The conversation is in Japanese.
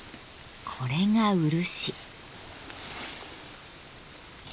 これが漆。